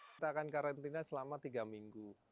kita akan karantina selama tiga minggu